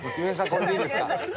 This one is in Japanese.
これでいいですか？